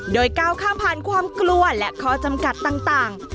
โดยก้าวข้ามผ่านความกลัวและข้อจำกัดต่าง